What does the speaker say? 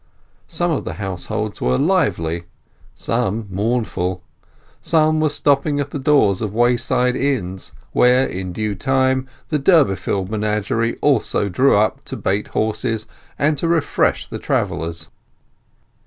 Some of the households were lively, some mournful; some were stopping at the doors of wayside inns; where, in due time, the Durbeyfield menagerie also drew up to bait horses and refresh the travellers.